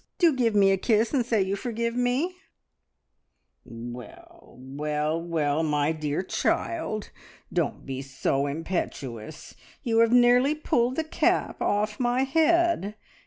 Do give me a kiss, and say you forgive me!" "Well, well, well, my dear child, don't be so impetuous! You have nearly pulled the cap off my head.